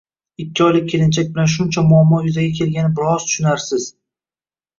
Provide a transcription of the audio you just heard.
Ikki oylik kelinchak bilan shuncha muammo yuzaga kelgani biroz tushunarsiz